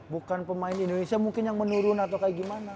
bukan pemain indonesia mungkin yang menurun atau kayak gimana